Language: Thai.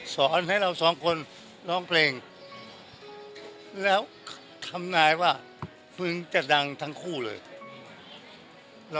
สอนให้เราสองคนร้องเพลงแล้วทำนายว่าเพิ่งจะดังทั้งคู่เลย